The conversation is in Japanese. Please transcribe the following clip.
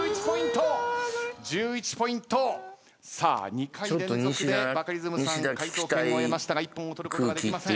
２回連続でバカリズムさんが回答権を得ましたが一本を取ることができません。